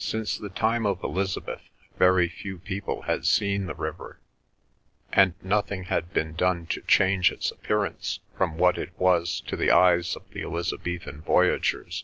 Since the time of Elizabeth very few people had seen the river, and nothing has been done to change its appearance from what it was to the eyes of the Elizabethan voyagers.